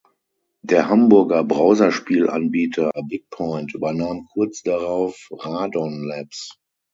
Der Hamburger Browserspiel-Anbieter Bigpoint übernahm kurz darauf Radon Labs.